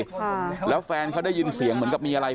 ค่ะแล้วแฟนเขาได้ยินเสียงเหมือนกับมีอะไร